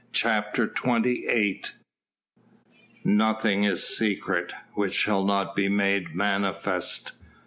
CHAPTER XXVIII "Nothing is secret, which shall not be made manifest."